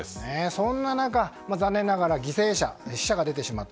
そんな中、残念ながら犠牲者、死者が出てしまった。